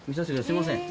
すいません。